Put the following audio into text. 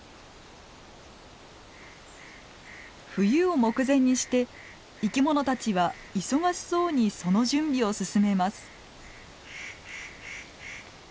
冬を目前にして生き物たちは忙しそうにその準備を進めます。